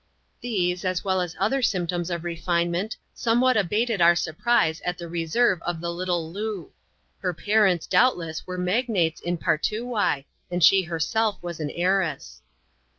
These, as well as other symptoms of refinement, somewhat abated our surprise at the reserve of the little Loo : her parents, doubtless, were magnates in Partoowye, and she herself was an heiress.